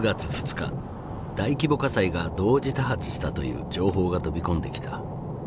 日大規模火災が同時多発したという情報が飛び込んできた。